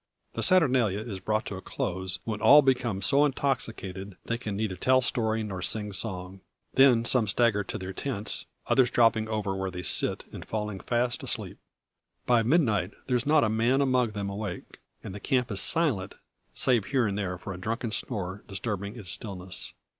The saturnalia is brought to a close, when all become so intoxicated they can neither tell story nor sing song. Then some stagger to their tents, others dropping over where they sit, and falling fast asleep. By midnight there is not a man of them awake, and the camp is silent, save here and there a drunken snore disturbing its stillness.